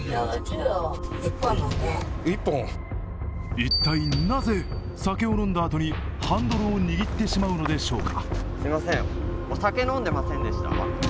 一体なぜ酒を飲んだあとにハンドルを握ってしまうのでしょうか。